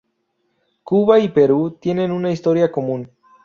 Cuba y Perú tienen una historia común.